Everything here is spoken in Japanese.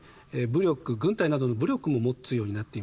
武力軍隊などの武力も持つようになっていました。